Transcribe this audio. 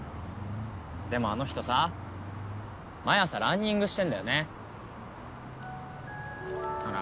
でもあの人さ毎朝ランニングしてんだよねほら